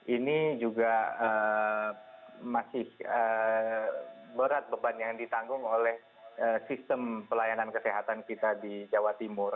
ini juga masih berat beban yang ditanggung oleh sistem pelayanan kesehatan kita di jawa timur